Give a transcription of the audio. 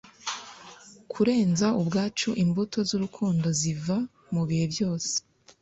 kurenza ubwacu imbuto zurukundo ziva mubihe byose